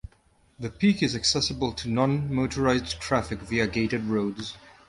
The peak is accessible to non-motorized traffic via a gated road.